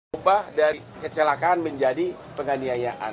ubah dari kecelakaan menjadi penganiayaan